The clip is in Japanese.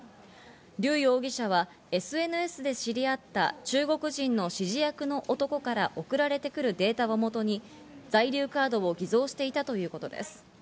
リュウ容疑者はＳＮＳで知り合った中国人の指示役の男から送られてくるデータをもとに在留カードを偽造していたということです。